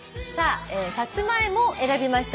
「さつまいも」を選びました